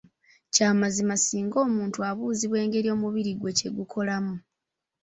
Kya mazima singa omuntu abuuzibwa engeri omubiri gwe gyegukolamu.